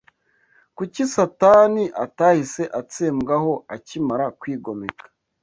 Kuki Satani atahise atsembwaho akimara kwigomeka?